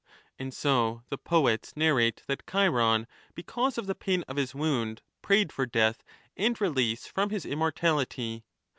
And so the poets narrate that Chiron, because of the pain of his wound, prayed for death and release from his immor tality.